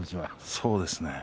そうですね。